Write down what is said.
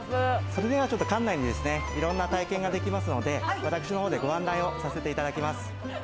それは館内でいろんな体験ができますので、私の方でご案内をさせていただきます。